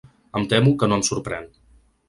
Em temo que no em sorprèn.